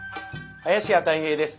林家たい平です。